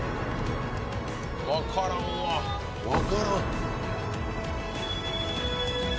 分からんわ分からん